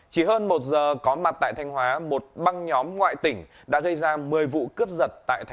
chỉ hơn một giờ có mặt tại thanh hóa một băng nhóm ngoại tỉnh đã dây ra một mươi vụ cướp giật